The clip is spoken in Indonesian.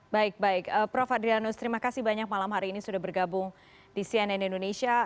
baik baik prof adrianus terima kasih banyak malam hari ini sudah bergabung di cnn indonesia